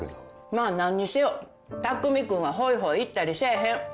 まあ何にせよ匠君はホイホイ行ったりせえへん。